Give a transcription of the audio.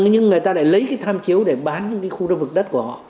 nhưng người ta lại lấy cái tham chiếu để bán những cái khu đất vực đất của họ